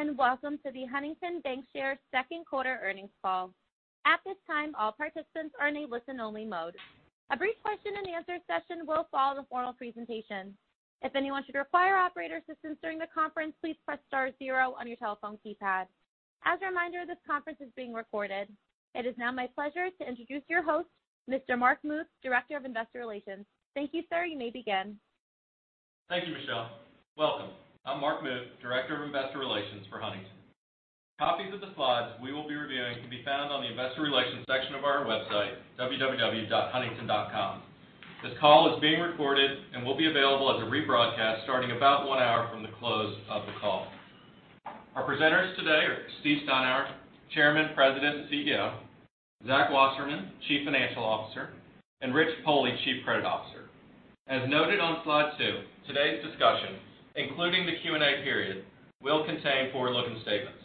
Greetings, and welcome to the Huntington Bancshares second quarter earnings call. At this time, all participants are in a listen-only mode. A brief question and answer session will follow the formal presentation. If anyone should require operator assistance during the conference, please press star zero on your telephone keypad. As a reminder, this conference is being recorded. It is now my pleasure to introduce your host, Mr. Mark Muth, Director of Investor Relations. Thank you, sir. You may begin. Thank you, Michelle. Welcome. I'm Mark Muth, Director of Investor Relations for Huntington. Copies of the slides we will be reviewing can be found on the investor relations section of our website, www.huntington.com. This call is being recorded and will be available as a rebroadcast starting about one hour from the close of the call. Our presenters today are Steve Steinour, Chairman, President, and CEO, Zach Wasserman, Chief Financial Officer, and Rich Pohle, Chief Credit Officer. As noted on slide two, today's discussion, including the Q&A period, will contain forward-looking statements.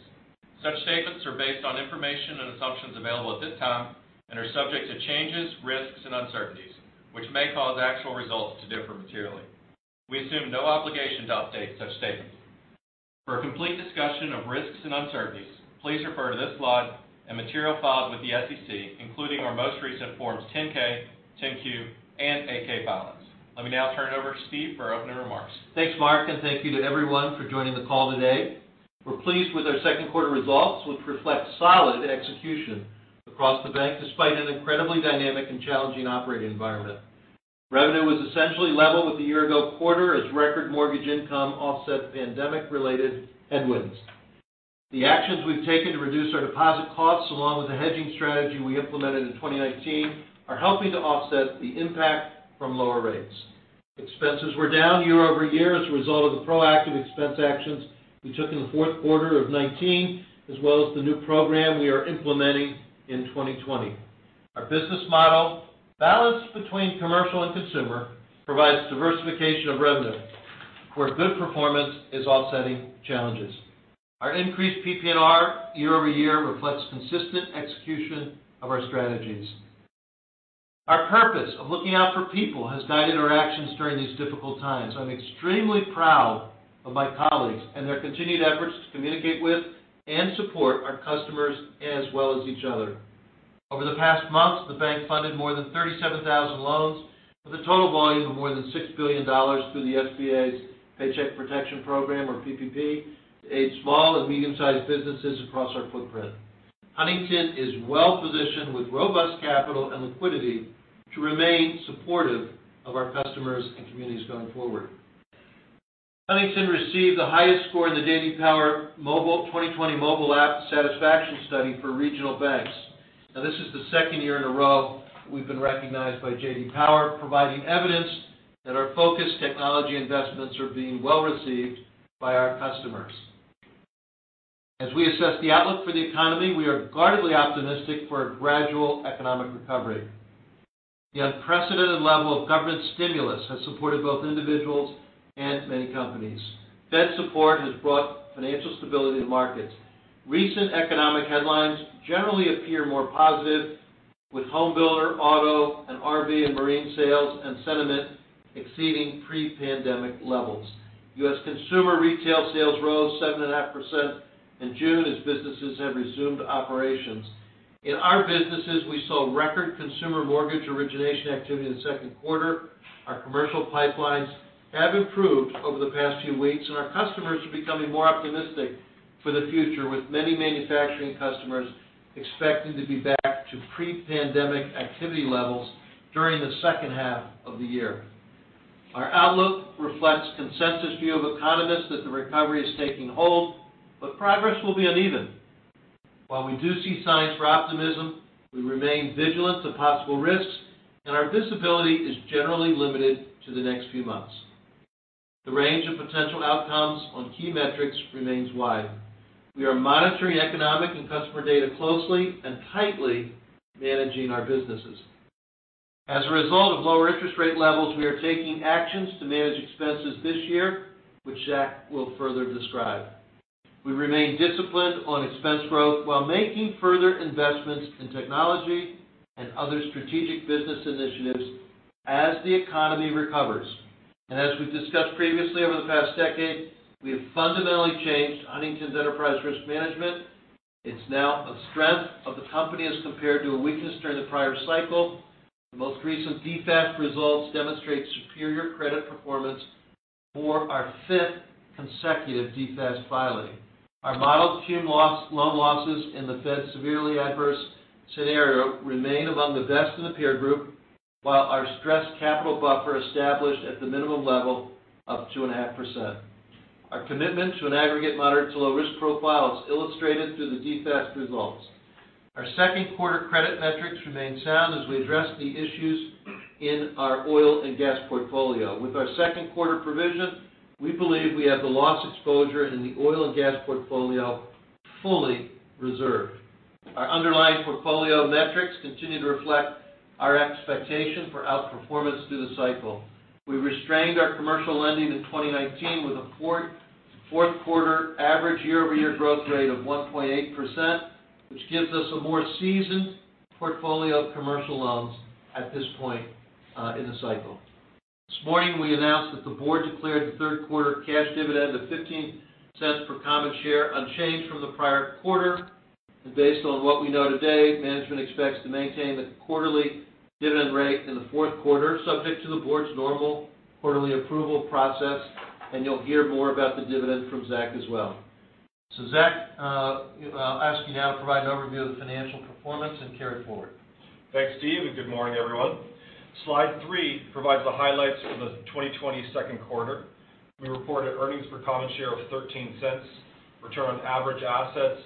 Such statements are based on information and assumptions available at this time and are subject to changes, risks, and uncertainties, which may cause actual results to differ materially. We assume no obligation to update such statements. For a complete discussion of risks and uncertainties, please refer to this slide and material filed with the SEC, including our most recent Forms 10-K, 10-Q, and 8-K filings. Let me now turn it over to Steve for opening remarks. Thanks, Mark. Thank you to everyone for joining the call today. We're pleased with our second quarter results, which reflect solid execution across the bank, despite an incredibly dynamic and challenging operating environment. Revenue was essentially level with the year-ago quarter as record mortgage income offset pandemic-related headwinds. The actions we've taken to reduce our deposit costs along with the hedging strategy we implemented in 2019 are helping to offset the impact from lower rates. Expenses were down year-over-year as a result of the proactive expense actions we took in the fourth quarter of 2019, as well as the new program we are implementing in 2020. Our business model, balanced between commercial and consumer, provides diversification of revenue where good performance is offsetting challenges. Our increased PPNR year-over-year reflects consistent execution of our strategies. Our purpose of looking out for people has guided our actions during these difficult times. I'm extremely proud of my colleagues and their continued efforts to communicate with and support our customers as well as each other. Over the past months, the bank funded more than 37,000 loans with a total volume of more than $6 billion through the SBA's Paycheck Protection Program, or PPP, to aid small and medium-sized businesses across our footprint. Huntington is well-positioned with robust capital and liquidity to remain supportive of our customers and communities going forward. Huntington received the highest score in the J.D. Power 2020 Mobile App Satisfaction Study for regional banks. Now, this is the second year in a row we've been recognized by J.D. Power, providing evidence that our focused technology investments are being well received by our customers. As we assess the outlook for the economy, we are guardedly optimistic for a gradual economic recovery. The unprecedented level of government stimulus has supported both individuals and many companies. Fed support has brought financial stability to markets. Recent economic headlines generally appear more positive, with homebuilder, auto, and RV and marine sales and sentiment exceeding pre-pandemic levels. U.S. consumer retail sales rose 7.5% in June as businesses have resumed operations. In our businesses, we saw record consumer mortgage origination activity in the second quarter. Our commercial pipelines have improved over the past few weeks, and our customers are becoming more optimistic for the future, with many manufacturing customers expecting to be back to pre-pandemic activity levels during the second half of the year. Our outlook reflects consensus view of economists that the recovery is taking hold, but progress will be uneven. While we do see signs for optimism, we remain vigilant to possible risks, and our visibility is generally limited to the next few months. The range of potential outcomes on key metrics remains wide. We are monitoring economic and customer data closely and tightly managing our businesses. As a result of lower interest rate levels, we are taking actions to manage expenses this year, which Zach will further describe. We remain disciplined on expense growth while making further investments in technology and other strategic business initiatives as the economy recovers. As we've discussed previously over the past decade, we have fundamentally changed Huntington's enterprise risk management. It's now a strength of the company as compared to a weakness during the prior cycle. The most recent DFAST results demonstrate superior credit performance for our fifth consecutive DFAST filing. Our modeled cum loan losses in the Fed's severely adverse scenario remain among the best in the peer group, while our stress capital buffer established at the minimum level of 2.5%. Our commitment to an aggregate moderate to low risk profile is illustrated through the DFAST results. Our second quarter credit metrics remain sound as we address the issues in our oil and gas portfolio. With our second quarter provision, we believe we have the loss exposure in the oil and gas portfolio fully reserved. Our underlying portfolio metrics continue to reflect our expectation for outperformance through the cycle. We restrained our commercial lending in 2019 with a fourth quarter average year-over-year growth rate of 1.8%, which gives us a more seasoned portfolio of commercial loans at this point in the cycle. This morning, we announced that the board declared the third quarter cash dividend of $0.15 per common share, unchanged from the prior quarter. Based on what we know today, management expects to maintain the quarterly dividend rate in the fourth quarter, subject to the board's normal quarterly approval process, and you'll hear more about the dividend from Zach as well. Zach, I'll ask you now to provide an overview of the financial performance and carry it forward. Thanks, Steve. Good morning, everyone. Slide three provides the highlights for the 2020 second quarter. We reported earnings per common share of $0.13. Return on average assets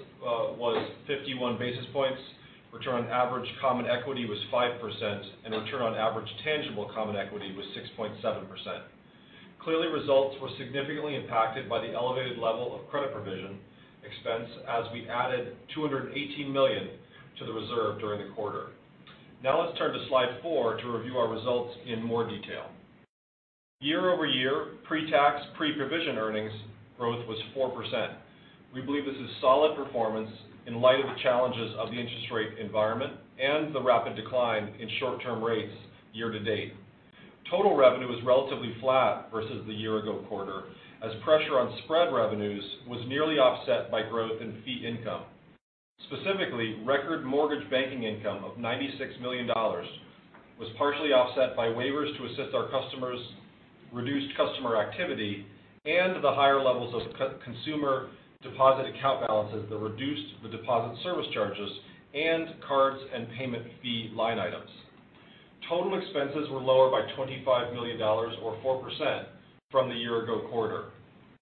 was 51 basis points. Return on average common equity was 5%, and return on average tangible common equity was 6.7%. Clearly, results were significantly impacted by the elevated level of credit provision expense, as we added $218 million to the reserve during the quarter. Now let's turn to slide four to review our results in more detail. Year-over-year, pre-tax, pre-provision earnings growth was 4%. We believe this is solid performance in light of the challenges of the interest rate environment and the rapid decline in short-term rates year to date. Total revenue was relatively flat versus the year ago quarter, as pressure on spread revenues was nearly offset by growth in fee income. Specifically, record mortgage banking income of $96 million was partially offset by waivers to assist our customers, reduced customer activity, and the higher levels of consumer deposit account balances that reduced the deposit service charges, and cards and payment fee line items. Total expenses were lower by $25 million, or 4%, from the year ago quarter.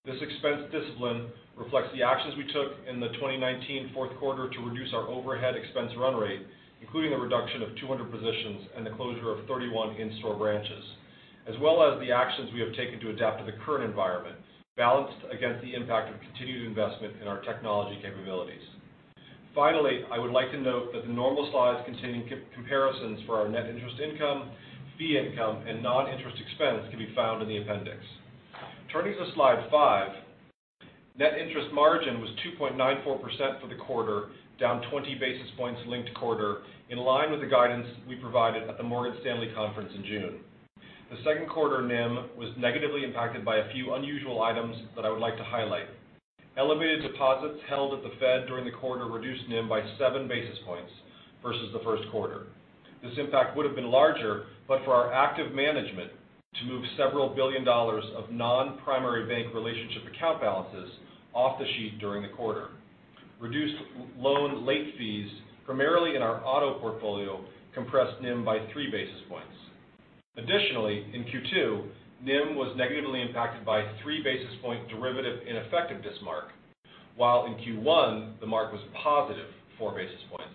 This expense discipline reflects the actions we took in the 2019 fourth quarter to reduce our overhead expense run rate, including a reduction of 200 positions and the closure of 31 in-store branches, as well as the actions we have taken to adapt to the current environment, balanced against the impact of continued investment in our technology capabilities. Finally, I would like to note that the normal slides containing comparisons for our net interest income, fee income, and non-interest expense can be found in the appendix. Turning to slide five, net interest margin was 2.94% for the quarter, down 20 basis points linked quarter, in line with the guidance we provided at the Morgan Stanley conference in June. The second quarter NIM was negatively impacted by a few unusual items that I would like to highlight. Elevated deposits held at the Fed during the quarter reduced NIM by seven basis points versus the first quarter. This impact would have been larger, but for our active management to move several billion dollars of non-primary bank relationship account balances off the sheet during the quarter. Reduced loan late fees, primarily in our auto portfolio, compressed NIM by 3 basis points. Additionally, in Q2, NIM was negatively impacted by a three basis point derivative ineffectiveness mark, while in Q1, the mark was a positive four basis points.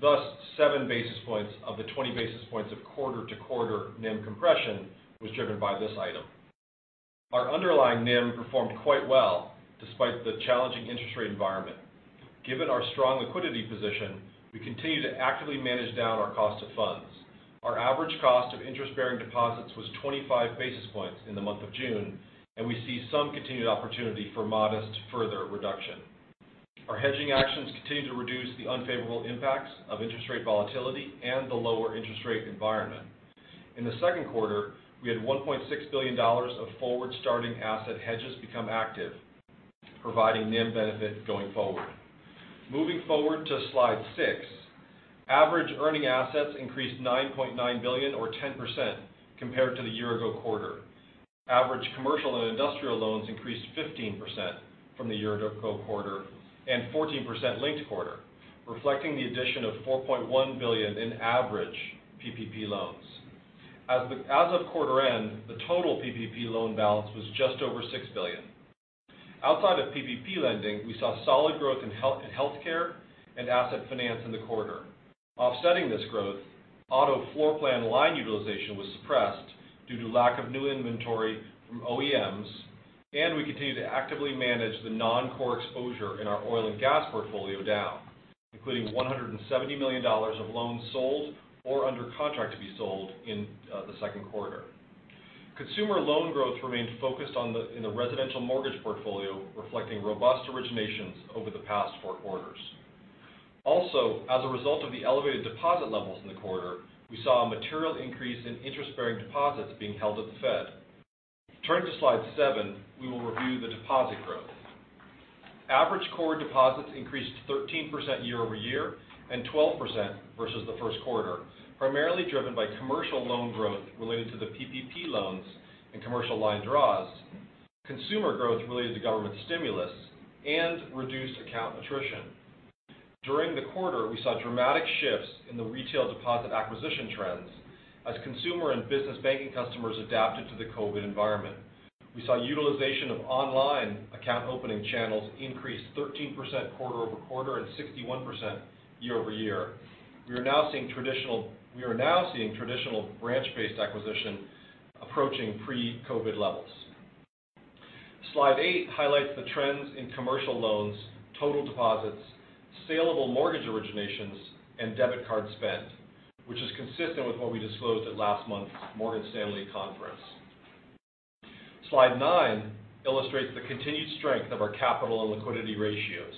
Thus, 7 basis points of the 20 basis points of quarter-to-quarter NIM compression was driven by this item. Our underlying NIM performed quite well, despite the challenging interest rate environment. Given our strong liquidity position, we continue to actively manage down our cost of funds. Our average cost of interest-bearing deposits was 25 basis points in the month of June, and we see some continued opportunity for modest further reduction. Our hedging actions continue to reduce the unfavorable impacts of interest rate volatility and the lower interest rate environment. In the second quarter, we had $1.6 billion of forward starting asset hedges become active, providing NIM benefit going forward. Moving forward to slide six. Average earning assets increased $9.9 billion or 10% compared to the year-ago quarter. Average commercial and industrial loans increased 15% from the year ago quarter and 14% linked quarter, reflecting the addition of $4.1 billion in average PPP loans. As of quarter end, the total PPP loan balance was just over $6 billion. Outside of PPP lending, we saw solid growth in healthcare and asset finance in the quarter. Offsetting this growth, auto floor plan line utilization was suppressed due to lack of new inventory from OEMs, and we continue to actively manage the non-core exposure in our oil and gas portfolio down, including $170 million of loans sold or under contract to be sold in the second quarter. Consumer loan growth remained focused in the residential mortgage portfolio, reflecting robust originations over the past four quarters. Also, as a result of the elevated deposit levels in the quarter, we saw a material increase in interest-bearing deposits being held at the Fed. Turning to slide seven, we will review the deposit growth. Average core deposits increased 13% year-over-year and 12% versus the first quarter, primarily driven by commercial loan growth related to the PPP loans and commercial line draws, consumer growth related to government stimulus, and reduced account attrition. During the quarter, we saw dramatic shifts in the retail deposit acquisition trends as consumer and business banking customers adapted to the COVID environment. We saw utilization of online account opening channels increase 13% quarter-over-quarter and 61% year-over-year. We are now seeing traditional branch-based acquisition approaching pre-COVID levels. Slide eight highlights the trends in commercial loans, total deposits, saleable mortgage originations, and debit card spend, which is consistent with what we disclosed at last month's Morgan Stanley conference. Slide nine illustrates the continued strength of our capital and liquidity ratios.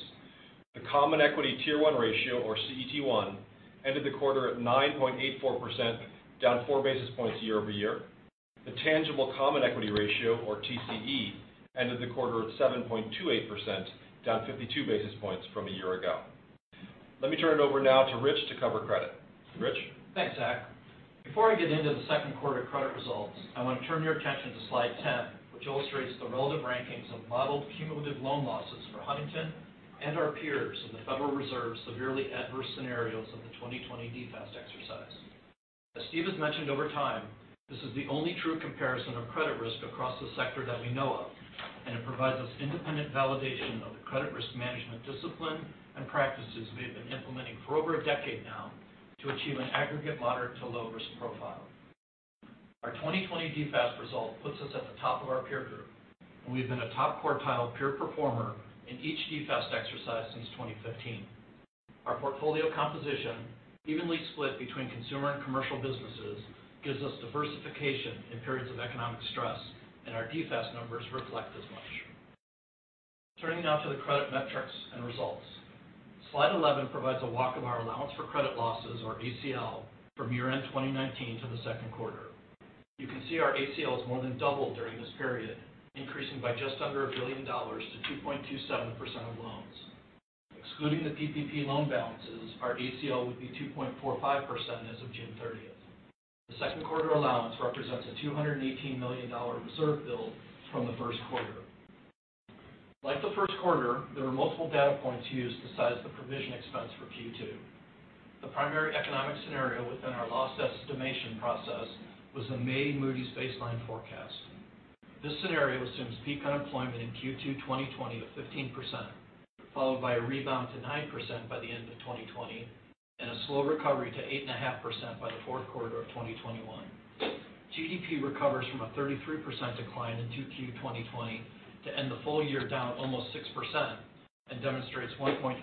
The common equity Tier 1 ratio, or CET1, ended the quarter at 9.84%, down 4 basis points year-over-year. The tangible common equity ratio, or TCE, ended the quarter at 7.28%, down 52 basis points from a year ago. Let me turn it over now to Rich to cover credit. Rich? Thanks, Zach. Before I get into the second quarter credit results, I want to turn your attention to slide 10, which illustrates the relative rankings of modeled cumulative loan losses for Huntington and our peers in the Federal Reserve's severely adverse scenarios of the 2020 DFAST exercise. As Steve has mentioned over time, this is the only true comparison of credit risk across the sector that we know of, and it provides us independent validation of the credit risk management discipline and practices we have been implementing for over a decade now to achieve an aggregate moderate to low risk profile. Our 2020 DFAST result puts us at the top of our peer group, and we've been a top quartile peer performer in each DFAST exercise since 2015. Our portfolio composition, evenly split between consumer and commercial businesses, gives us diversification in periods of economic stress, and our DFAST numbers reflect as much. Turning now to the credit metrics and results. Slide 11 provides a walk of our allowance for credit losses, or ACL, from year-end 2019 to the second quarter. You can see our ACL has more than doubled during this period, increasing by just under a billion dollars to 2.27% of loans. Excluding the PPP loan balances, our ACL would be 2.45% as of June 30th. The second quarter allowance represents a $218 million reserve build from the first quarter. Like the first quarter, there were multiple data points used to size the provision expense for Q2. The primary economic scenario within our loss estimation process was the May Moody's baseline forecast. This scenario assumes peak unemployment in Q2 2020 of 15%, followed by a rebound to 9% by the end of 2020 and a slow recovery to 8.5% by the fourth quarter of 2021. GDP recovers from a 33% decline in 2Q 2020 to end the full year down almost 6% and demonstrates 1.5%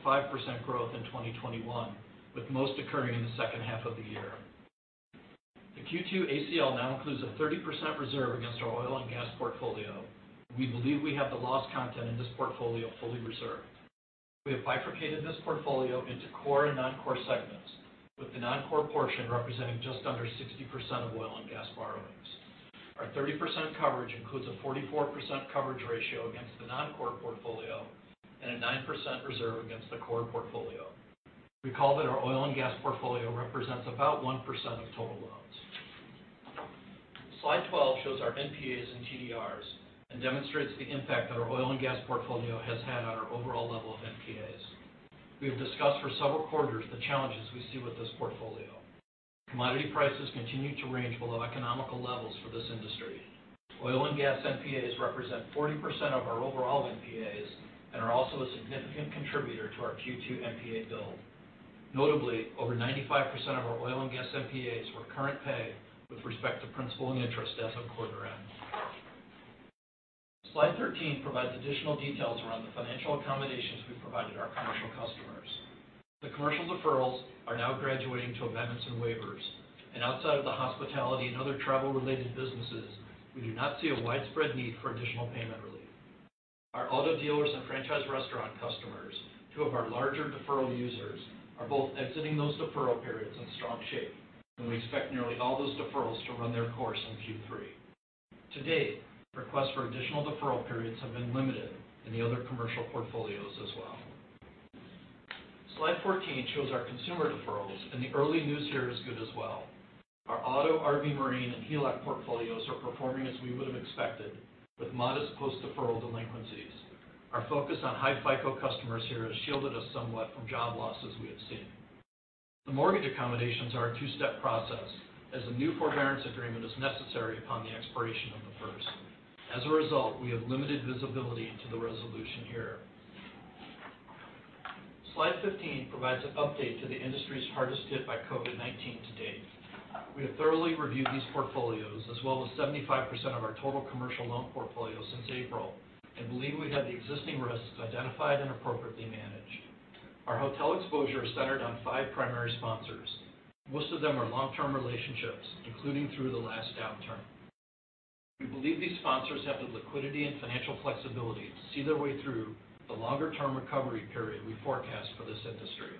growth in 2021, with most occurring in the second half of the year. The Q2 ACL now includes a 30% reserve against our oil and gas portfolio. We believe we have the loss content in this portfolio fully reserved. We have bifurcated this portfolio into core and non-core segments, with the non-core portion representing just under 60% of oil and gas borrowings. Our 30% coverage includes a 44% coverage ratio against the non-core portfolio and a 9% reserve against the core portfolio. Recall that our oil and gas portfolio represents about 1% of total loans. Slide 12 shows our NPAs and TDRs and demonstrates the impact that our oil and gas portfolio has had on our overall level of NPAs. We have discussed for several quarters the challenges we see with this portfolio. Commodity prices continue to range below economical levels for this industry. oil and gas NPAs represent 40% of our overall NPAs and are also a significant contributor to our Q2 NPA build. Notably, over 95% of our oil and gas NPAs were current pay with respect to principal and interest as of quarter end. Slide 13 provides additional details around the financial accommodations we've provided our commercial customers. The commercial deferrals are now graduating to amendments and waivers, and outside of the hospitality and other travel related businesses, we do not see a widespread need for additional payment relief. Our auto dealers and franchise restaurant customers, two of our larger deferral users, are both exiting those deferral periods in strong shape, and we expect nearly all those deferrals to run their course in Q3. To date, requests for additional deferral periods have been limited in the other commercial portfolios as well. Slide 14 shows our consumer deferrals, and the early news here is good as well. Our auto, RV, marine, and HELOC portfolios are performing as we would've expected, with modest post-deferral delinquencies. Our focus on high FICO customers here has shielded us somewhat from job losses we have seen. The mortgage accommodations are a two-step process, as a new forbearance agreement is necessary upon the expiration of the first. As a result, we have limited visibility into the resolution here. Slide 15 provides an update to the industries hardest hit by COVID-19 to date. We have thoroughly reviewed these portfolios, as well as 75% of our total commercial loan portfolio since April, and believe we have the existing risks identified and appropriately managed. Our hotel exposure is centered on five primary sponsors. Most of them are long-term relationships, including through the last downturn. We believe these sponsors have the liquidity and financial flexibility to see their way through the longer-term recovery period we forecast for this industry.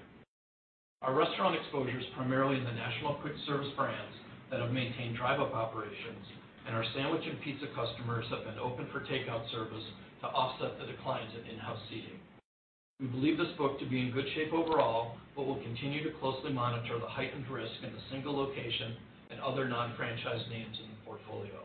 Our restaurant exposure is primarily in the national quick service brands that have maintained drive-up operations, and our sandwich and pizza customers have been open for takeout service to offset the declines in in-house seating. We believe this book to be in good shape overall, but we'll continue to closely monitor the heightened risk in the single location and other non-franchise names in the portfolio.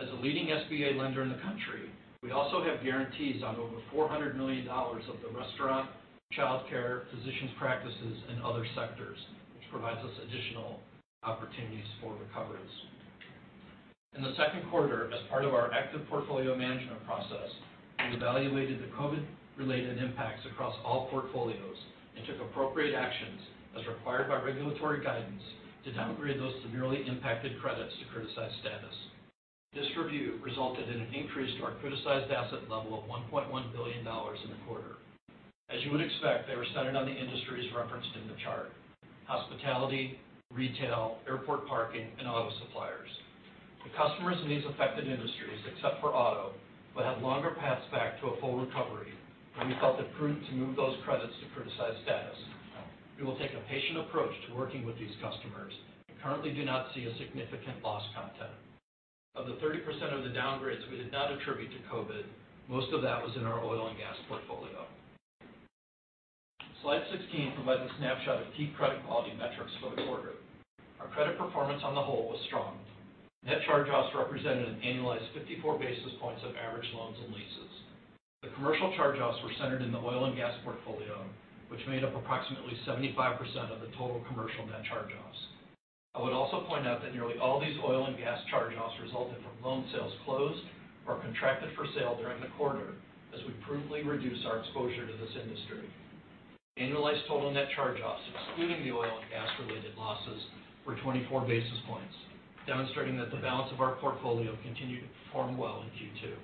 As a leading SBA lender in the country, we also have guarantees on over $400 million of the restaurant, childcare, physicians practices, and other sectors, which provides us additional opportunities for recoveries. In the second quarter, as part of our active portfolio management process, we evaluated the COVID-related impacts across all portfolios and took appropriate actions as required by regulatory guidance to downgrade those severely impacted credits to criticized status. This review resulted in an increase to our criticized asset level of $1.1 billion in the quarter. As you would expect, they were centered on the industries referenced in the chart. Hospitality, retail, airport parking, and auto suppliers. The customers in these affected industries, except for auto, would have longer paths back to a full recovery, and we felt it prudent to move those credits to criticized status. We will take a patient approach to working with these customers and currently do not see a significant loss content. Of the 30% of the downgrades we did not attribute to COVID, most of that was in our oil and gas portfolio. Slide 16 provides a snapshot of key credit quality metrics for the quarter. Our credit performance on the whole was strong. Net charge-offs represented an annualized 54 basis points of average loans and leases. The commercial charge-offs were centered in the oil and gas portfolio, which made up approximately 75% of the total commercial net charge-offs. I would also point out that nearly all these oil and gas charge-offs resulted from loan sales closed or contracted for sale during the quarter, as we prudently reduce our exposure to this industry. Annualized total net charge-offs, excluding the oil and gas-related losses, were 24 basis points, demonstrating that the balance of our portfolio continued to perform well in Q2.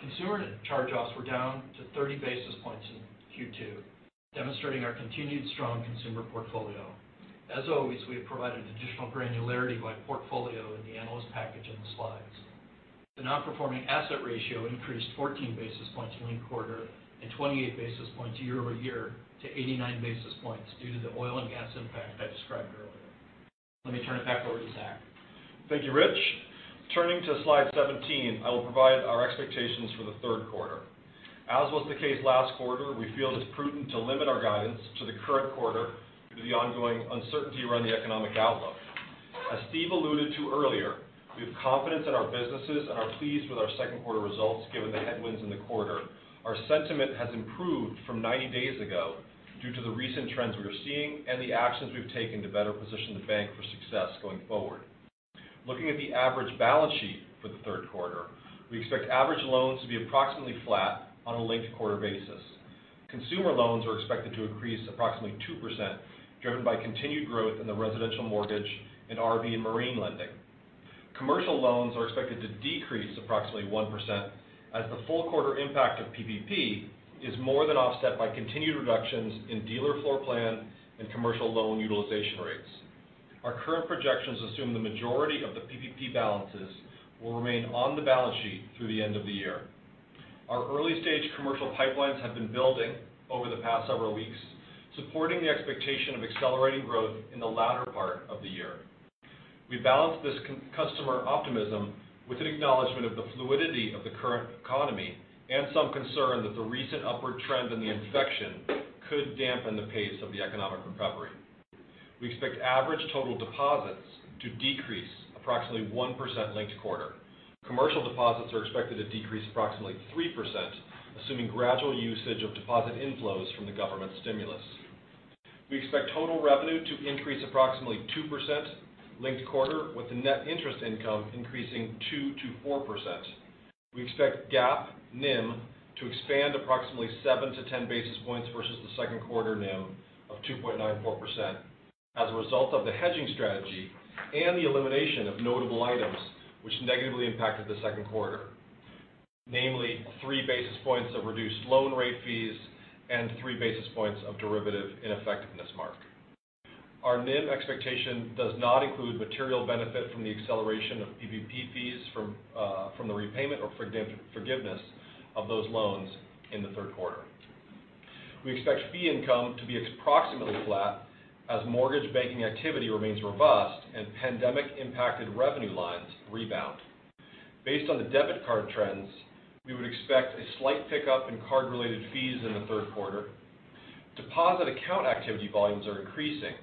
Consumer net charge-offs were down to 30 basis points in Q2, demonstrating our continued strong consumer portfolio. As always, we have provided additional granularity by portfolio in the analyst package in the slides. The non-performing asset ratio increased 14 basis points linked quarter and 28 basis points year-over-year to 89 basis points due to the oil and gas impact I described earlier. Let me turn it back over to Zach. Thank you, Rich. Turning to slide 17, I will provide our expectations for the third quarter. As was the case last quarter, we feel it is prudent to limit our guidance to the current quarter due to the ongoing uncertainty around the economic outlook. As Steve alluded to earlier, we have confidence in our businesses and are pleased with our second quarter results given the headwinds in the quarter. Our sentiment has improved from 90 days ago due to the recent trends we are seeing and the actions we've taken to better position the bank for success going forward. Looking at the average balance sheet for the third quarter, we expect average loans to be approximately flat on a linked quarter basis. Consumer loans are expected to increase approximately 2%, driven by continued growth in the residential mortgage and RV and marine lending. Commercial loans are expected to decrease approximately 1% as the full quarter impact of PPP is more than offset by continued reductions in dealer floor plan and commercial loan utilization rates. Our current projections assume the majority of the PPP balances will remain on the balance sheet through the end of the year. Our early-stage commercial pipelines have been building over the past several weeks, supporting the expectation of accelerating growth in the latter part of the year. We balance this customer optimism with an acknowledgment of the fluidity of the current economy and some concern that the recent upward trend in the infection could dampen the pace of the economic recovery. We expect average total deposits to decrease approximately 1% linked quarter. Commercial deposits are expected to decrease approximately 3%, assuming gradual usage of deposit inflows from the government stimulus. We expect total revenue to increase approximately 2% linked quarter with the net interest income increasing 2%-4%. We expect GAAP NIM to expand approximately 7-10 basis points versus the second quarter NIM of 2.94% as a result of the hedging strategy and the elimination of notable items which negatively impacted the second quarter. Namely, three basis points of reduced loan rate fees and three basis points of derivative ineffectiveness mark. Our NIM expectation does not include material benefit from the acceleration of PPP fees from the repayment or forgiveness of those loans in the third quarter. We expect fee income to be approximately flat as mortgage banking activity remains robust and pandemic-impacted revenue lines rebound. Based on the debit card trends, we would expect a slight pickup in card-related fees in the third quarter. Deposit account activity volumes are increasing.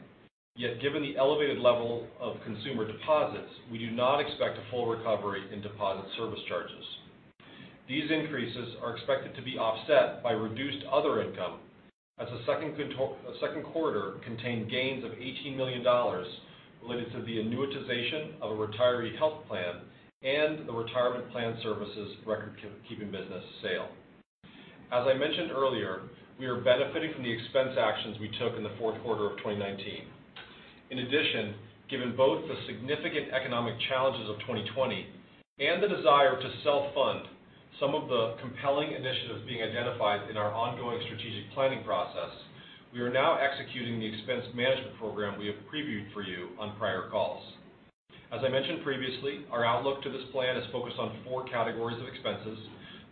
Given the elevated level of consumer deposits, we do not expect a full recovery in deposit service charges. These increases are expected to be offset by reduced other income as the second quarter contained gains of $18 million related to the annuitization of a retiree health plan and the retirement plan services record-keeping business sale. As I mentioned earlier, we are benefiting from the expense actions we took in the fourth quarter of 2019. In addition, given both the significant economic challenges of 2020 and the desire to self-fund some of the compelling initiatives being identified in our ongoing strategic planning process, we are now executing the expense management program we have previewed for you on prior calls. As I mentioned previously, our outlook to this plan is focused on four categories of expenses.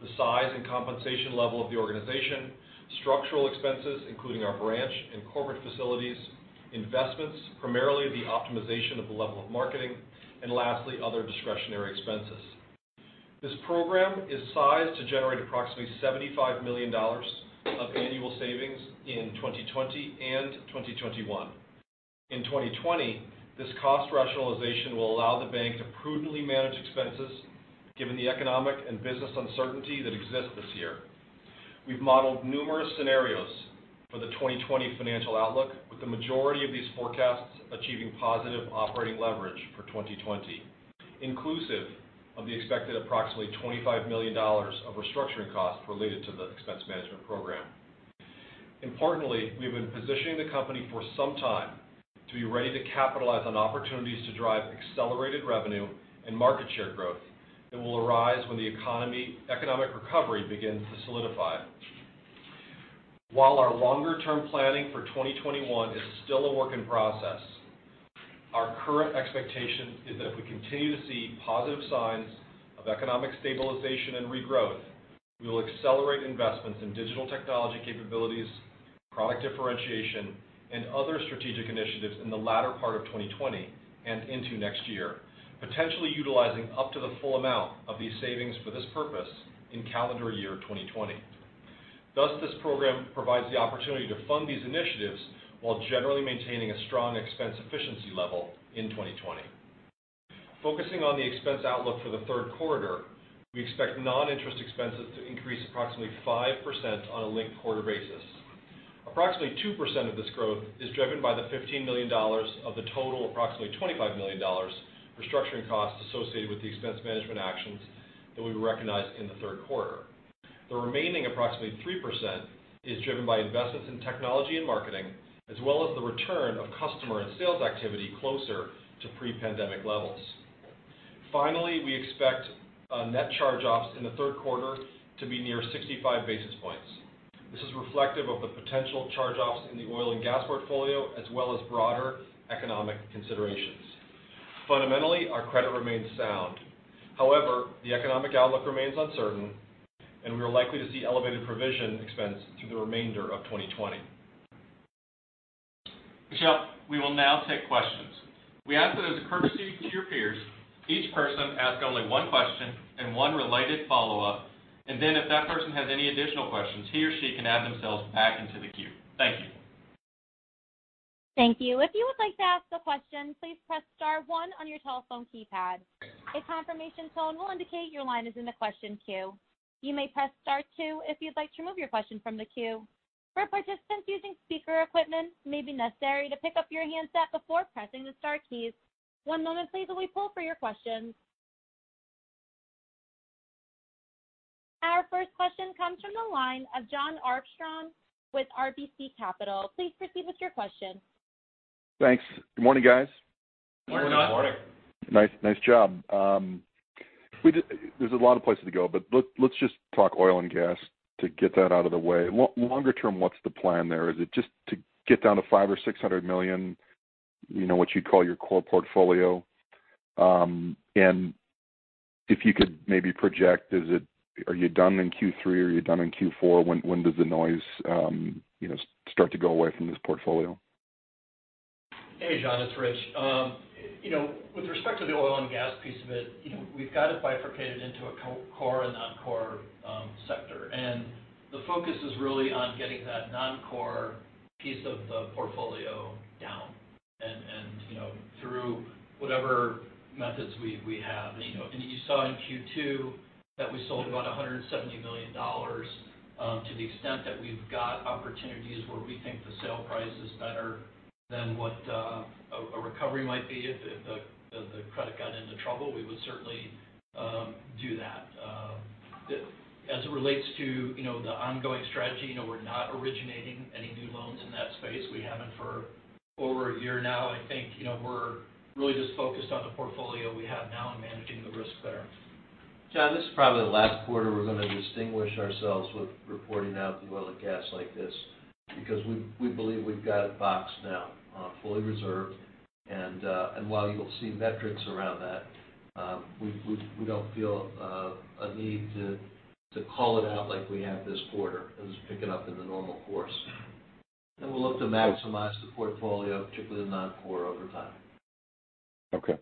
The size and compensation level of the organization, structural expenses, including our branch and corporate facilities, investments, primarily the optimization of the level of marketing, and lastly, other discretionary expenses. This program is sized to generate approximately $75 million of annual savings in 2020 and 2021. In 2020, this cost rationalization will allow the bank to prudently manage expenses given the economic and business uncertainty that exists this year. We've modeled numerous scenarios for the 2020 financial outlook, with the majority of these forecasts achieving positive operating leverage for 2020 inclusive of the expected approximately $25 million of restructuring costs related to the expense management program. Importantly, we have been positioning the company for some time to be ready to capitalize on opportunities to drive accelerated revenue and market share growth that will arise when the economic recovery begins to solidify. While our longer-term planning for 2021 is still a work in process, our current expectation is that if we continue to see positive signs of economic stabilization and regrowth, we will accelerate investments in digital technology capabilities, product differentiation, and other strategic initiatives in the latter part of 2020 and into next year, potentially utilizing up to the full amount of these savings for this purpose in calendar year 2020. Thus, this program provides the opportunity to fund these initiatives while generally maintaining a strong expense efficiency level in 2020. Focusing on the expense outlook for the third quarter, we expect non-interest expenses to increase approximately 5% on a linked-quarter basis. Approximately 2% of this growth is driven by the $15 million of the total approximately $25 million restructuring costs associated with the expense management actions that we recognized in the third quarter. The remaining approximately 3% is driven by investments in technology and marketing, as well as the return of customer and sales activity closer to pre-pandemic levels. We expect net charge-offs in the third quarter to be near 65 basis points. This is reflective of the potential charge-offs in the oil and gas portfolio, as well as broader economic considerations. Fundamentally, our credit remains sound. The economic outlook remains uncertain, and we are likely to see elevated provision expense through the remainder of 2020. Michelle, we will now take questions. We ask that as a courtesy to your peers, each person ask only one question and one related follow-up, and then if that person has any additional questions, he or she can add themselves back into the queue. Thank you. Thank you. If you would like to ask a question, please press star one on your telephone keypad. A confirmation tone will indicate your line is in the question queue. You may press star two if you'd like to remove your question from the queue. For participants using speaker equipment, it may be necessary to pick up your handset before pressing the star keys. One moment please while we pull for your questions. Our first question comes from the line of Jon Arfstrom with RBC Capital. Please proceed with your question. Thanks. Good morning, guys. Morning. Nice job. There's a lot of places to go, but let's just talk oil and gas to get that out of the way. Longer term, what's the plan there? Is it just to get down to $500 million or $600 million, what you'd call your core portfolio? If you could maybe project, are you done in Q3? Are you done in Q4? When does the noise start to go away from this portfolio? Hey, Jon, it's Rich. With respect to the oil and gas piece of it, we've got it bifurcated into a core and non-core sector, the focus is really on getting that non-core piece of the portfolio down and through whatever methods we have. You saw in Q2 that we sold about $170 million to the extent that we've got opportunities where we think the sale price is better than what a recovery might be if the credit got into trouble, we would certainly do that. As it relates to the ongoing strategy, we're not originating any new loans in that space. We haven't for over a year now. I think we're really just focused on the portfolio we have now and managing the risk there. Jon, this is probably the last quarter we're going to distinguish ourselves with reporting out the oil and gas like this because we believe we've got it boxed now, fully reserved. While you'll see metrics around that, we don't feel a need to call it out like we have this quarter and just pick it up in the normal course. We'll look to maximize the portfolio, particularly the non-core over time. Okay.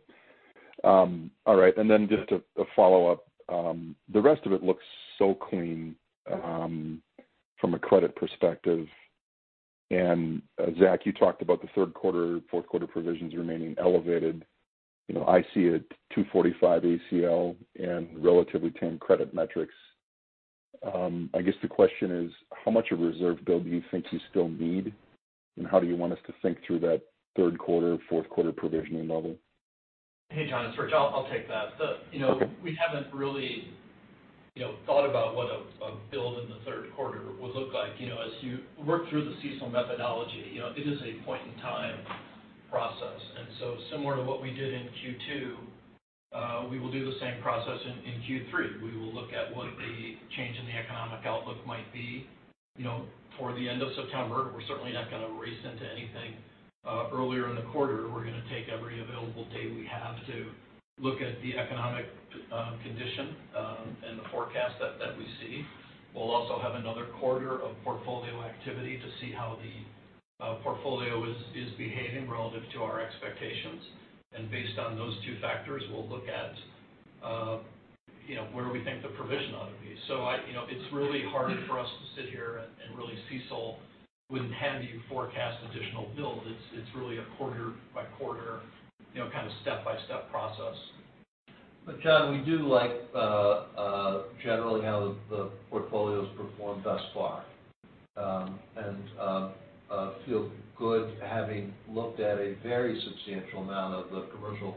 All right, just a follow-up. The rest of it looks so clean from a credit perspective. Zach, you talked about the third quarter, fourth quarter provisions remaining elevated. I see a 245 ACL and relatively tame credit metrics. I guess the question is, how much of reserve build do you think you still need? How do you want us to think through that third quarter, fourth quarter provisioning level? Hey, Jon, it's Rich. I'll take that. We haven't really thought about what a build in the third quarter would look like. As you work through the CECL methodology, it is a point-in-time process. Similar to what we did in Q2, we will do the same process in Q3. We will look at what the change in the economic outlook might be for the end of September. We're certainly not going to race into anything earlier in the quarter. We're going to take every available day we have to look at the economic condition and the forecast that we see. We'll also have another quarter of portfolio activity to see how the portfolio is behaving relative to our expectations. Based on those two factors, we'll look at where we think the provision ought to be. It's really hard for us to sit here and really CECL with any forecast additional build. It's really a quarter-by-quarter kind of step-by-step process. Jon, we do like generally how the portfolio's performed thus far. Feel good having looked at a very substantial amount of the commercial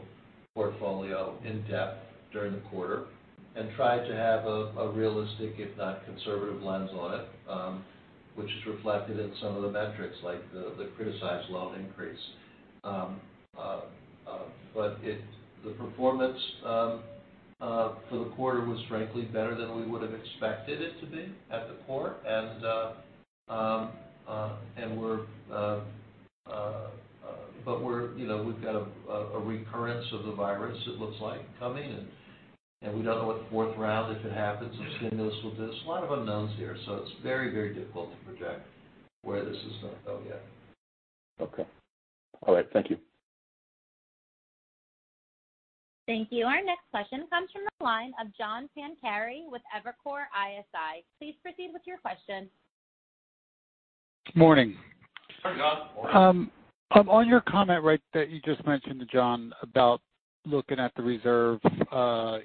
portfolio in depth during the quarter and tried to have a realistic, if not conservative, lens on it, which is reflected in some of the metrics like the criticized loan increase. The performance for the quarter was frankly better than we would've expected it to be at the core, but we've got a recurrence of the virus it looks like coming and we don't know what fourth round, if it happens, of stimulus we'll do. A lot of unknowns here. It's very difficult to project where this is going to go yet. Okay. All right. Thank you. Thank you. Our next question comes from the line of John Pancari with Evercore ISI. Please proceed with your question. Morning. Hi, John. Morning. On your comment that you just mentioned to Jon about looking at the reserve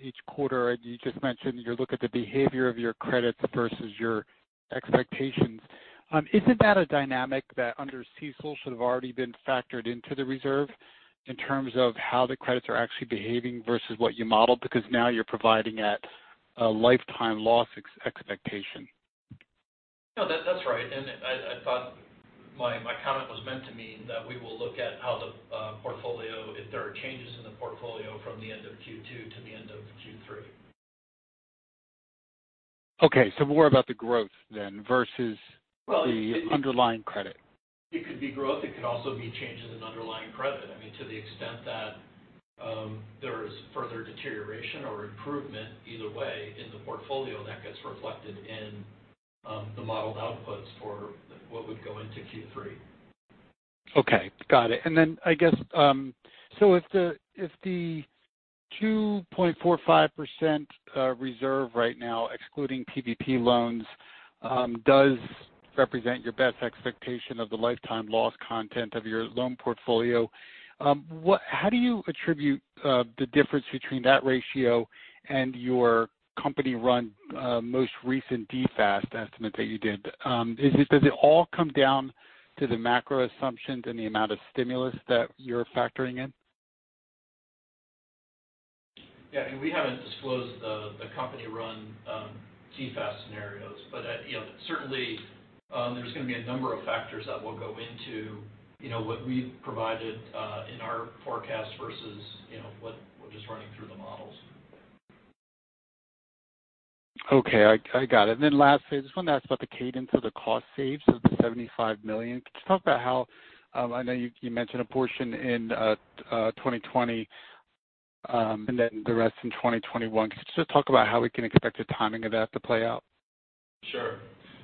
each quarter, and you just mentioned you look at the behavior of your credits versus your expectations. Isn't that a dynamic that under CECL should have already been factored into the reserve in terms of how the credits are actually behaving versus what you modeled? Now you're providing at a lifetime loss expectation. No, that's right. I thought my comment was meant to mean that we will look at if there are changes in the portfolio from the end of Q2 to the end of Q3. Okay. More about the growth then versus the underlying credit. It could be growth. It could also be changes in underlying credit. To the extent that there's further deterioration or improvement either way in the portfolio, that gets reflected in the modeled outputs for what would go into Q3. Okay. Got it. I guess, so if the 2.45% reserve right now, excluding PPP loans, does represent your best expectation of the lifetime loss content of your loan portfolio, how do you attribute the difference between that ratio and your company-run most recent DFAST estimate that you did? Does it all come down to the macro assumptions and the amount of stimulus that you're factoring in? Yeah. I mean, we haven't disclosed the company-run DFAST scenarios. Certainly, there's going to be a number of factors that will go into what we've provided in our forecast versus what we're just running through the models. Okay. I got it. Lastly, I just want to ask about the cadence of the cost saves of the $75 million. I know you mentioned a portion in 2020, and then the rest in 2021. Could you just talk about how we can expect the timing of that to play out? Sure.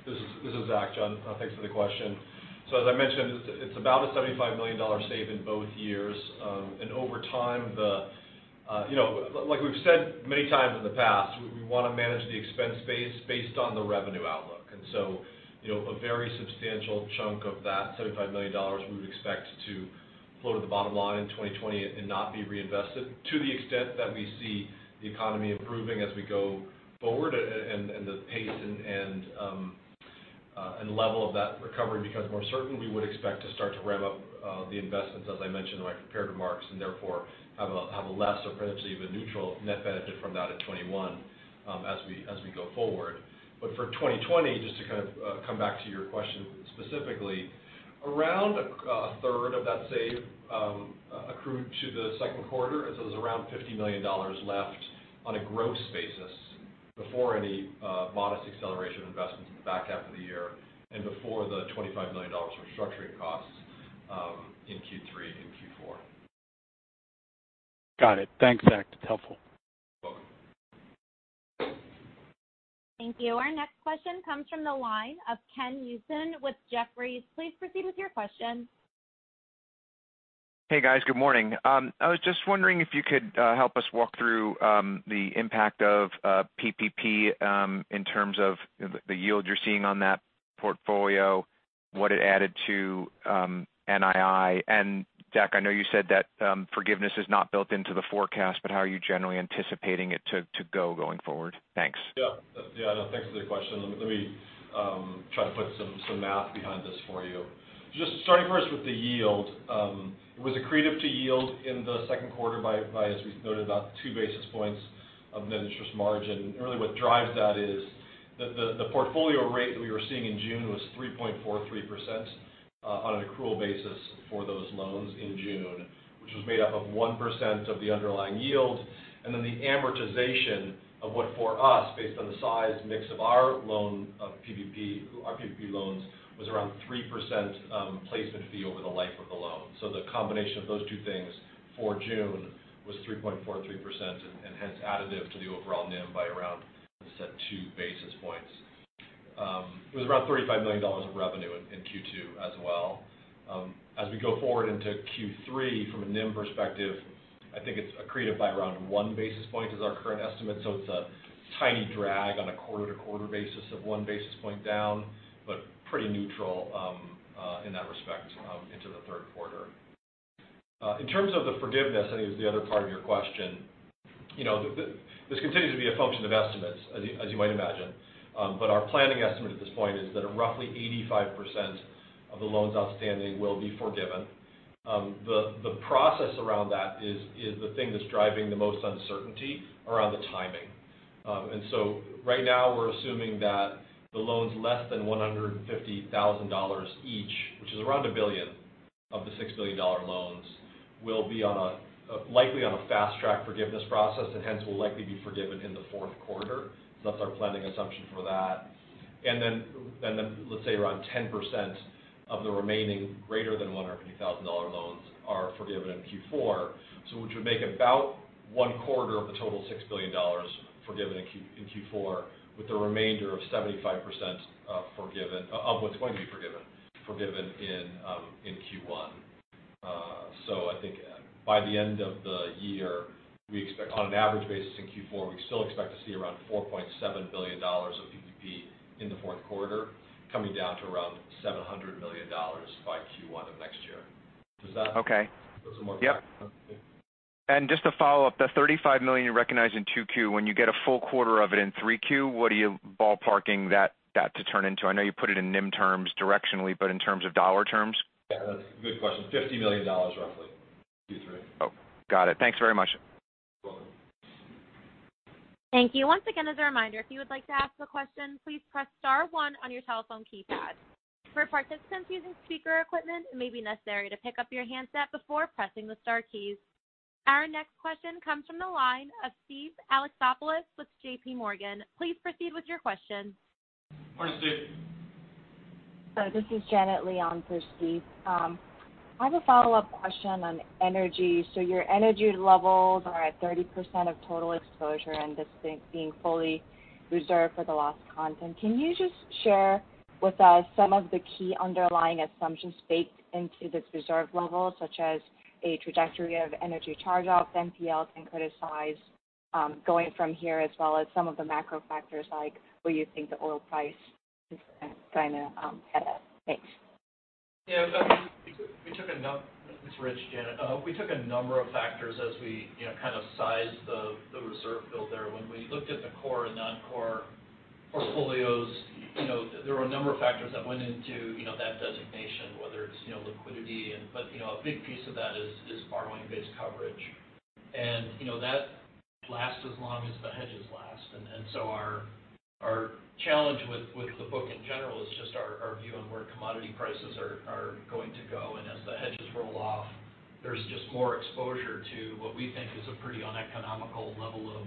This is Zach, John. Thanks for the question. As I mentioned, it's about a $75 million save in both years. Over time, like we've said many times in the past, we want to manage the expense base based on the revenue outlook. A very substantial chunk of that $75 million we would expect to flow to the bottom line in 2020 and not be reinvested to the extent that we see the economy improving as we go forward and the pace and level of that recovery becomes more certain, we would expect to start to ramp up the investments, as I mentioned in my prepared remarks, and therefore have a less or potentially even neutral net benefit from that in 2021 as we go forward. For 2020, just to kind of come back to your question specifically, around a third of that savings accrued to the second quarter. There's around $50 million left on a gross basis before any modest acceleration of investments in the back half of the year and before the $25 million of restructuring costs in Q3 and Q4. Got it. Thanks, Zach. That's helpful. Thank you. Our next question comes from the line of Ken Usdin with Jefferies. Please proceed with your question. Hey, guys. Good morning. I was just wondering if you could help us walk through the impact of PPP in terms of the yield you're seeing on that portfolio, what it added to NII. Zach, I know you said that forgiveness is not built into the forecast, but how are you generally anticipating it to go going forward? Thanks. Yeah. No, thanks for the question. Let me try to put some math behind this for you. Just starting first with the yield. It was accretive to yield in the second quarter by, as we've noted, about 2 basis points of net interest margin. Really what drives that is the portfolio rate that we were seeing in June was 3.43% on an accrual basis for those loans in June, which was made up of 1% of the underlying yield. Then the amortization of what for us, based on the size mix of our PPP loans, was around 3% placement fee over the life of the loan. The combination of those two things for June was 3.43%, and hence additive to the overall NIM by around, as I said, two basis points. It was around $35 million of revenue in Q2 as well. As we go forward into Q3 from a NIM perspective, I think it's accretive by around one basis point is our current estimate. It's a tiny drag on a quarter-to-quarter basis of one basis point down, but pretty neutral in that respect into the third quarter. In terms of the forgiveness, I think was the other part of your question. This continues to be a function of estimates, as you might imagine. Our planning estimate at this point is that roughly 85% of the loans outstanding will be forgiven. The process around that is the thing that's driving the most uncertainty around the timing. Right now we're assuming that the loans less than $150,000 each, which is around $1 billion of the $6 billion loans, will be likely on a fast-track forgiveness process, and hence will likely be forgiven in the fourth quarter. That's our planning assumption for that. Then, let's say around 10% of the remaining greater than $150,000 loans are forgiven in Q4. Which would make about one quarter of the total $6 billion forgiven in Q4, with the remainder of 75% of what's going to be forgiven in Q1. I think by the end of the year, on an average basis in Q4, we still expect to see around $4.7 billion of PPP in the fourth quarter, coming down to around $700 million by Q1 of next year. Okay. Does it more- Yep. Just to follow up, the $35 million you recognize in 2Q, when you get a full quarter of it in 3Q, what are you ballparking that to turn into? I know you put it in NIM terms directionally, but in terms of dollar terms? Yeah, that's a good question. $50 million roughly, Q3. Oh. Got it. Thanks very much. Welcome. Thank you. Once again, as a reminder, if you would like to ask a question, please press star one on your telephone keypad. For participants using speaker equipment, it may be necessary to pick up your handset before pressing the star keys. Our next question comes from the line of Steven Alexopoulos with JPMorgan. Please proceed with your question. Morning, Steve. This is Janet Lee for Steve. I have a follow-up question on energy. Your energy levels are at 30% of total exposure, and this being fully reserved for the loss content. Can you just share with us some of the key underlying assumptions baked into this reserve level, such as a trajectory of energy charge-offs, NPLs, and criticized going from here, as well as some of the macro factors, like where you think the oil price is going to head at? Thanks. Yeah. This is Rich, Janet. We took a number of factors as we kind of sized the reserve build there. When we looked at the core and non-core portfolios, there were a number of factors that went into that designation, whether it's liquidity. A big piece of that is borrowing base coverage. That lasts as long as the hedges last. Our challenge with the book in general is just our view on where commodity prices are going to go. As the hedges roll off, there's just more exposure to what we think is a pretty uneconomical level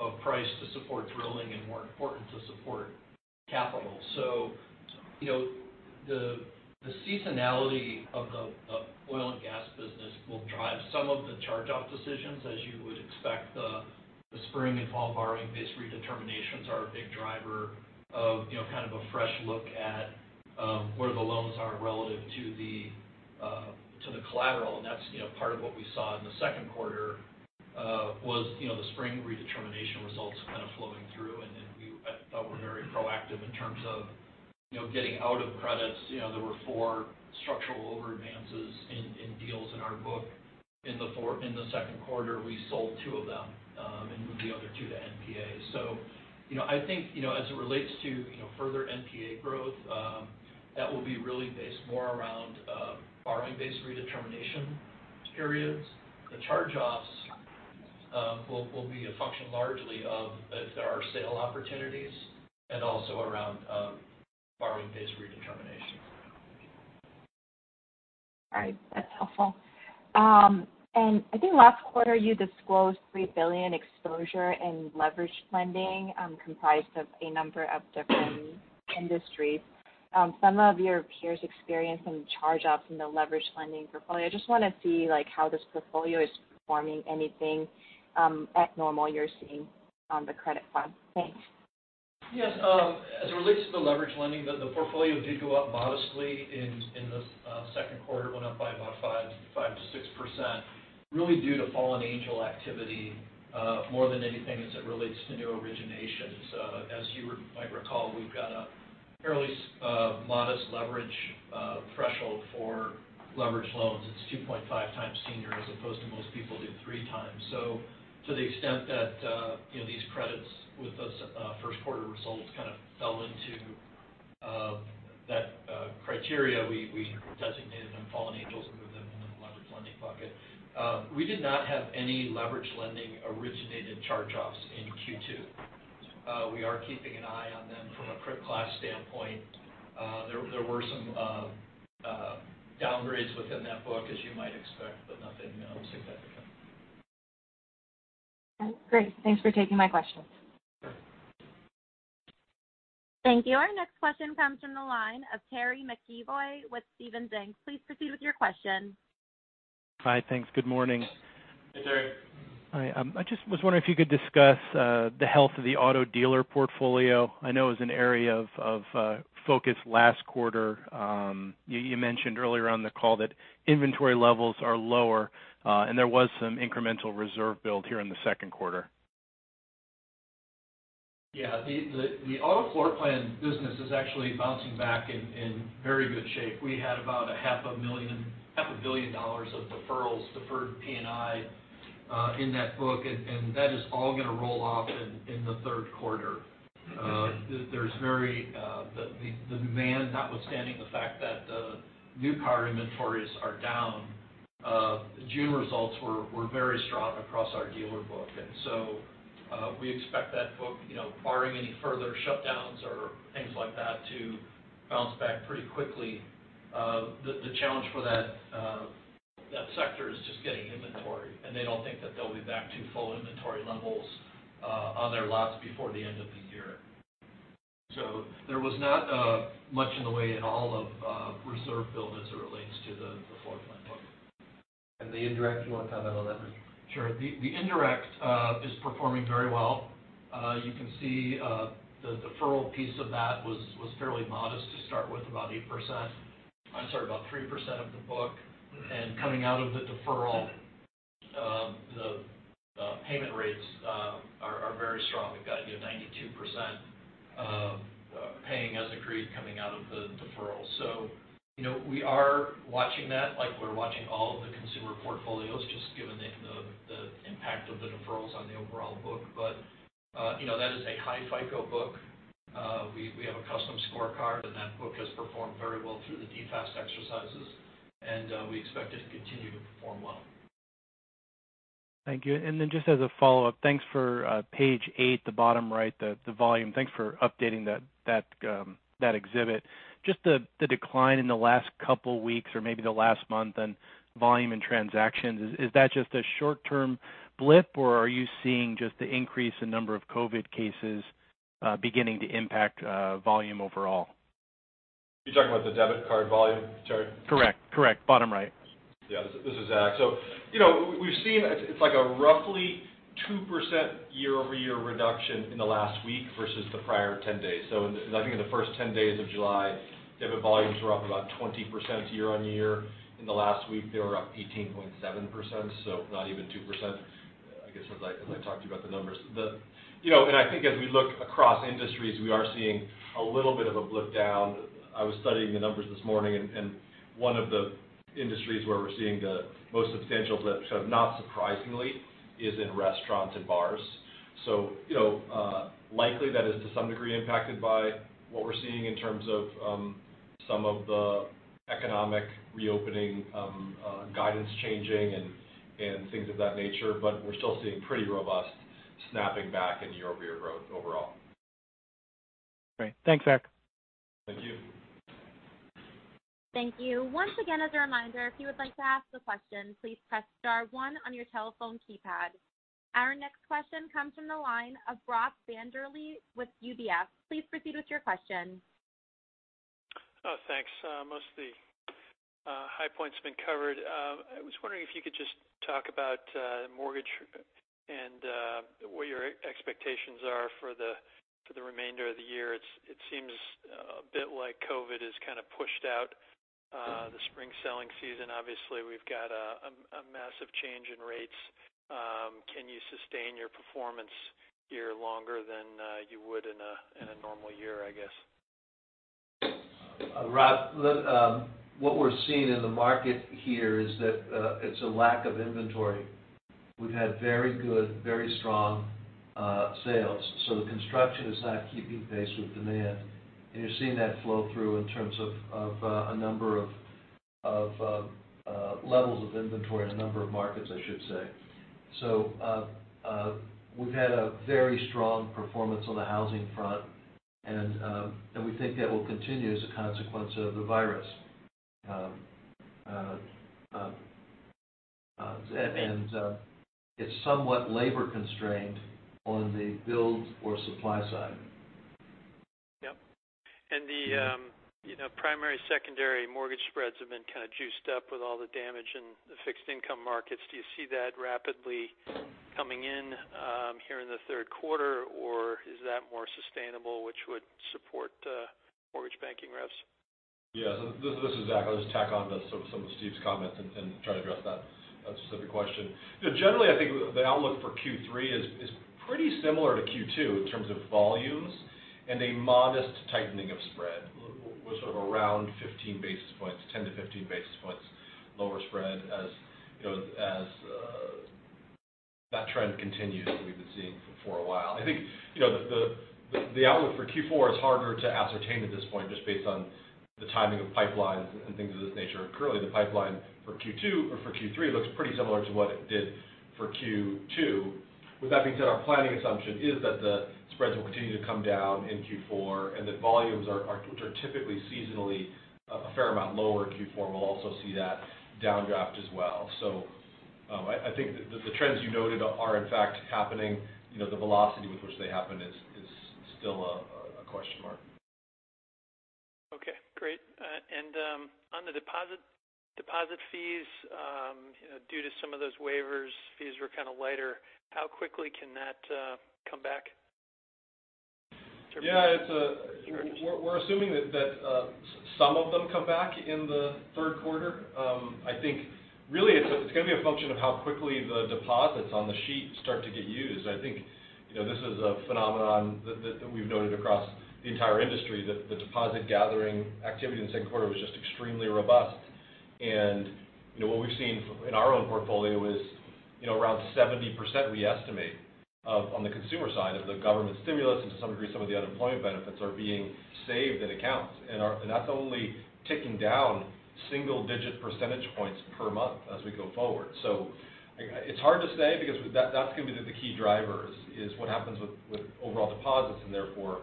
of price to support drilling, and more important, to support capital. The seasonality of the oil and gas business will drive some of the charge-off decisions, as you would expect. The spring and fall borrowing base redeterminations are a big driver of kind of a fresh look at where the loans are relative to the collateral. That's part of what we saw in the second quarter was the spring redetermination results kind of flowing through. We thought we were very proactive in terms of getting out of credits. There were four structural over advances in deals in our book in the second quarter. We sold two of them and moved the other two to NPAs. I think as it relates to further NPA growth, that will be really based more around borrowing base redetermination periods. The charge-offs will be a function largely of if there are sale opportunities, and also around borrowing base redetermination. All right. That's helpful. I think last quarter you disclosed $3 billion exposure in leveraged lending, comprised of a number of different industries. Some of your peers experienced some charge-offs in the leverage lending portfolio. I just want to see how this portfolio is performing. Anything out of normal you're seeing on the credit front? Thanks. Yes. As it relates to the leverage lending, the portfolio did go up modestly in the second quarter. It went up by about 5%-6%, really due to fallen angel activity more than anything as it relates to new originations. As you might recall, we've got a fairly modest leverage threshold for leverage loans. It's 2.5x senior as opposed to most people do 3x. To the extent that these credits with those first quarter results kind of fell into that criteria, we designated them fallen angels and moved them into the leverage lending bucket. We did not have any leverage lending originated charge-offs in Q2. We are keeping an eye on them from a credit class standpoint. There were some downgrades within that book, as you might expect, nothing significant. Great. Thanks for taking my question. Thank you. Our next question comes from the line of Terry McEvoy with Stephens Inc. Please proceed with your question. Hi. Thanks. Good morning. Hey, Terry. Hi. I just was wondering if you could discuss the health of the auto dealer portfolio. I know it was an area of focus last quarter. You mentioned earlier on the call that inventory levels are lower, and there was some incremental reserve build here in the second quarter Yeah. The auto floor plan business is actually bouncing back in very good shape. We had about a half a billion dollars of deferrals, deferred P&I in that book, that is all going to roll off in the third quarter. The demand, notwithstanding the fact that the new car inventories are down, June results were very strong across our dealer book. We expect that book, barring any further shutdowns or things like that, to bounce back pretty quickly. The challenge for that sector is just getting inventory, they don't think that they'll be back to full inventory levels on their lots before the end of the year. There was not much in the way at all of reserve build as it relates to the floor plan book. The indirect, you want to comment on that, Rich? Sure. The indirect is performing very well. You can see the deferral piece of that was fairly modest to start with, about 3% of the book. Coming out of the deferral, the payment rates are very strong. We've got 92% paying as agreed coming out of the deferral. We are watching that, like we're watching all of the consumer portfolios, just given the impact of the deferrals on the overall book. That is a high FICO book. We have a custom scorecard, and that book has performed very well through the DFAST exercises, and we expect it to continue to perform well. Thank you. Just as a follow-up, thanks for page eight, the bottom right, the volume. Thanks for updating that exhibit. Just the decline in the last couple of weeks or maybe the last month on volume and transactions, is that just a short-term blip, or are you seeing just the increase in number of COVID cases beginning to impact volume overall? You're talking about the debit card volume chart? Correct. Bottom right. Yeah. This is Zach. We've seen, it's like a roughly 2% year-over-year reduction in the last week versus the prior 10 days. I think in the first 10 days of July, debit volumes were up about 20% year-on-year. In the last week, they were up 18.7%, not even 2%, I guess as I talked to you about the numbers. I think as we look across industries, we are seeing a little bit of a blip down. I was studying the numbers this morning, and one of the industries where we're seeing the most substantial blip, not surprisingly, is in restaurants and bars. Likely that is to some degree impacted by what we're seeing in terms of some of the economic reopening guidance changing and things of that nature. We're still seeing pretty robust snapping back in year-over-year growth overall. Great. Thanks, Zach. Thank you. Thank you. Once again, as a reminder, if you would like to ask a question, please press star one on your telephone keypad. Our next question comes from the line of Saul Martinez with UBS. Please proceed with your question. Oh, thanks. Most of the high points have been covered. I was wondering if you could just talk about mortgage and what your expectations are for the remainder of the year. It seems a bit like COVID has kind of pushed out the spring selling season. Obviously, we've got a massive change in rates. Can you sustain your performance here longer than you would in a normal year, I guess? Saul, what we're seeing in the market here is that it's a lack of inventory. We've had very good, very strong sales. The construction is not keeping pace with demand. You're seeing that flow through in terms of a number of levels of inventory in a number of markets, I should say. We've had a very strong performance on the housing front, and we think that will continue as a consequence of the virus. It's somewhat labor constrained on the build or supply side. Yep. The primary, secondary mortgage spreads have been kind of juiced up with all the damage in the fixed income markets. Do you see that rapidly coming in here in the third quarter, or is that more sustainable, which would support mortgage banking revs? Yeah. This is Zach. I'll just tack on to some of Steve's comments and try to address that specific question. Generally, I think the outlook for Q3 is pretty similar to Q2 in terms of volumes and a modest tightening of spread, with sort of around 15 basis points, 10-15 basis points lower spread as that trend continues that we've been seeing for a while. I think the outlook for Q4 is harder to ascertain at this point just based on the timing of pipelines and things of this nature. Currently, the pipeline for Q3 looks pretty similar to what it did for Q2. With that being said, our planning assumption is that the spreads will continue to come down in Q4 and that volumes are typically seasonally a fair amount lower in Q4. We'll also see that downdraft as well. I think the trends you noted are in fact happening. The velocity with which they happen is still a question mark. Okay, great. On the deposit fees, due to some of those waivers, fees were kind of lighter. How quickly can that come back? Yeah. We're assuming that some of them come back in the third quarter. I think really it's going to be a function of how quickly the deposits on the sheet start to get used. I think this is a phenomenon that we've noted across the entire industry, that the deposit gathering activity in the second quarter was just extremely robust. What we've seen in our own portfolio is around 70%, we estimate, on the consumer side of the government stimulus and to some degree some of the unemployment benefits are being saved in accounts. That's only ticking down single-digit percentage points per month as we go forward. It's hard to say because that's going to be the key driver, is what happens with overall deposits and therefore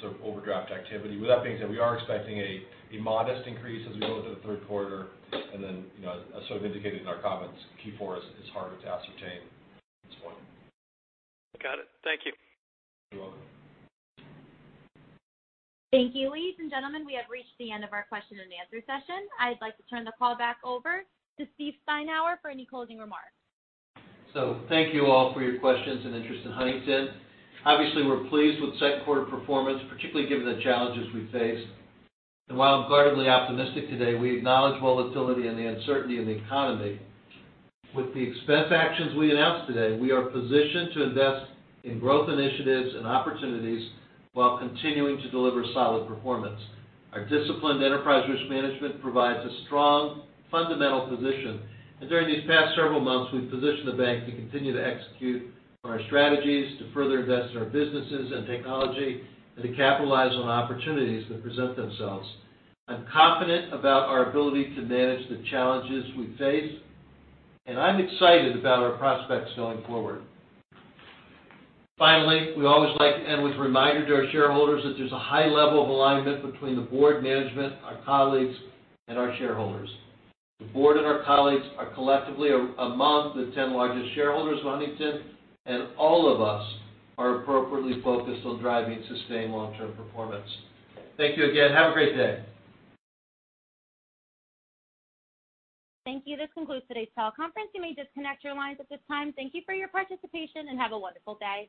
sort of overdraft activity. With that being said, we are expecting a modest increase as we go into the third quarter. As sort of indicated in our comments, Q4 is harder to ascertain at this point. Got it. Thank you. You're welcome. Thank you. Ladies and gentlemen, we have reached the end of our question and answer session. I'd like to turn the call back over to Steve Steinour for any closing remarks. Thank you all for your questions and interest in Huntington. Obviously, we're pleased with second quarter performance, particularly given the challenges we faced. While I'm guardedly optimistic today, we acknowledge volatility and the uncertainty in the economy. With the expense actions we announced today, we are positioned to invest in growth initiatives and opportunities while continuing to deliver solid performance. Our disciplined enterprise risk management provides a strong fundamental position, and during these past several months, we've positioned the bank to continue to execute on our strategies to further invest in our businesses and technology and to capitalize on opportunities that present themselves. I'm confident about our ability to manage the challenges we face, and I'm excited about our prospects going forward. Finally, we always like to end with a reminder to our shareholders that there's a high level of alignment between the board management, our colleagues, and our shareholders. The board and our colleagues are collectively among the 10 largest shareholders of Huntington, and all of us are appropriately focused on driving sustained long-term performance. Thank you again. Have a great day. Thank you. This concludes today's call conference. You may disconnect your lines at this time. Thank you for your participation, and have a wonderful day.